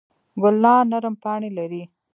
ګلان نرم پاڼې لري.